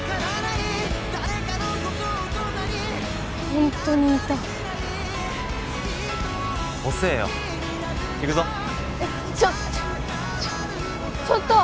ホントにいた遅えよ行くぞえっちょっちょっと！